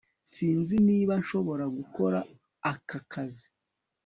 Sinzi niba nshobora gukora aka kazi